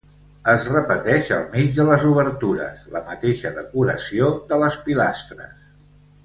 Es repeteix al mig de les obertures, la mateixa decoració de les pilastres.